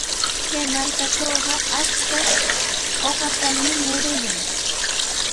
Kay markatrawqa achka uqatami muruyan.